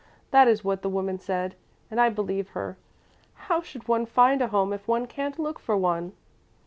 That is what the woman said, and I believe her. How should one find a home if one can't look for one?"